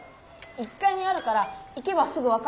１かいにあるから行けばすぐ分かるよ。